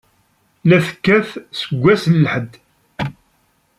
La tekkat seg wass n lḥedd.